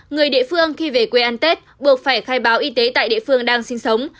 người địa phương khi về quê ăn tết buộc phải khai báo y tế tại địa phương đang sinh sống